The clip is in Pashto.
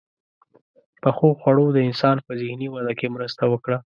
• پخو خوړو د انسان په ذهني وده کې مرسته وکړه.